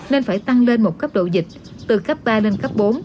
nên phải tăng lên một cấp độ dịch từ cấp ba lên cấp bốn